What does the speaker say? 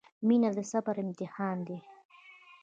• مینه د صبر امتحان دی.